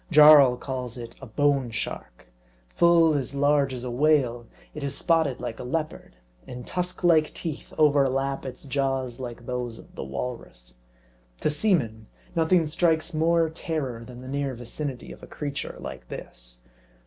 Jarl calls it a Bone M A R D I. Shark. Full as large as a whale, it is spotted like a leop ard ; and tusk like teeth overlap its jaws like those of the walrus. To seamen, nothing strikes more terror than the near vicinity of a creature like this.